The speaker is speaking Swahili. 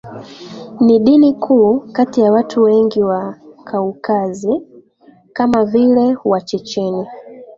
Ni dini kuu kati ya watu wengi wa Kaukazi kama vile Wachecheni